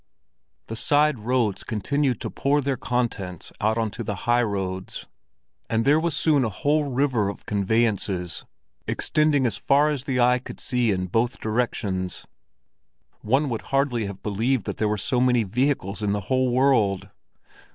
The side roads continued to pour their contents out on to the high roads, and there was soon a whole river of conveyances, extending as far as the eye could see in both directions. One would hardly have believed that there were so many vehicles in the whole world!